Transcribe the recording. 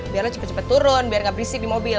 biar lo cepet cepet turun biar gak berisik di mobil